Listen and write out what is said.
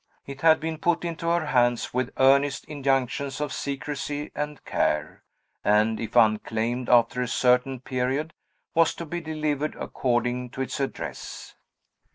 It had been put into her hands with earnest injunctions of secrecy and care, and if unclaimed after a certain period, was to be delivered according to its address.